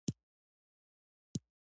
باز د قدرت ښکلی مثال دی